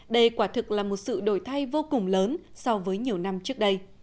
đây quả thực là một sự đổi thay vô cùng lớn so với nhiều năm trước đây